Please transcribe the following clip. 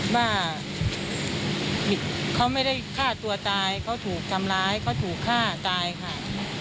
ว่าเขาไม่ได้ฆ่าตัวตายเขาถูกทำร้ายเขาถูกฆ่าตายค่ะ